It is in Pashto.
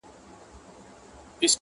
ژوند له دې انګار سره پیوند لري-